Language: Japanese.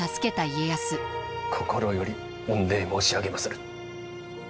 心より御礼申し上げまする。